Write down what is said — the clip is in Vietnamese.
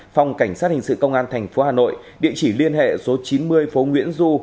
phòng cảnh sát hình sự công an tp hà nội địa chỉ liên hệ số chín mươi phố nguyễn du